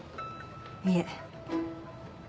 いえ。